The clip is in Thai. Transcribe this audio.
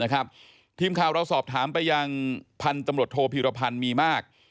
ครับทีมคาวเราสอบถามไปยังพันธุ์ตำรวจโทรผิวรพันธุ์มีมาก